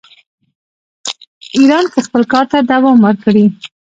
ایران کې خپل کار ته دوام ورکړي.